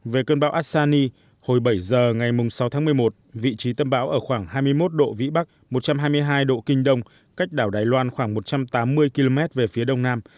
về cơn bão asani hồi bảy giờ ngày sáu tháng một mươi một vị trí tâm bão ở khoảng hai mươi một độ vĩ bắc một trăm hai mươi hai độ kinh đông cách đảo đài loan khoảng một trăm tám mươi km về phía đông nam